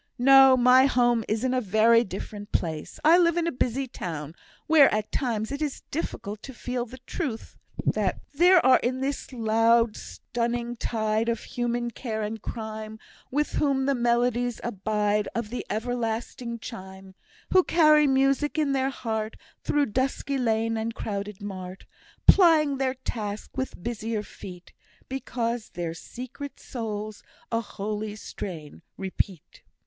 "No! my home is in a very different place. I live in a busy town, where at times it is difficult to feel the truth that There are in this loud stunning tide Of human care and crime, With whom the melodies abide Of th' everlasting chime; Who carry music in their heart Through dusky lane and crowded mart, Plying their task with busier feet, Because their secret souls a holy strain repeat.